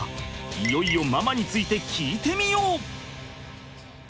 いよいよママについて聞いてみよう！